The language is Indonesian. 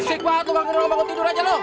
sik banget lu bangun dulu bangun tidur aja lu